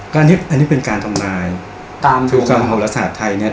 ก็อันนี้อันนี้เป็นการทำนายตามคือการบริษัทไทยเนี้ย